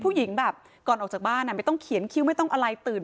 ผู้หญิงแบบก่อนออกจากบ้านไม่ต้องเขียนคิ้วไม่ต้องอะไรตื่น